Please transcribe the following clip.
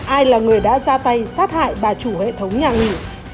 ai là người đã ra tay sát hại bà chủ hệ thống nhà nghỉ